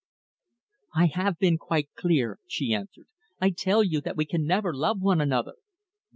"I have been quite clear," she answered. "I tell you that we can never love one another."